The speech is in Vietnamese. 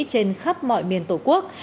trên khắp mọi miền tổ quốc